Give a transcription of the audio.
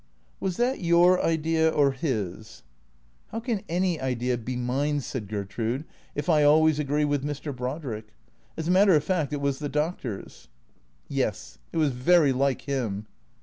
" Was that your idea, or his ?"" How can any idea be mine," said Gertrude, " if I always agree with Mr. Brodrick? As a matter of fact it was the Doc tor's." " Yes. It was very like him."